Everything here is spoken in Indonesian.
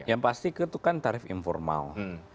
yang pasti itu kan tarif informal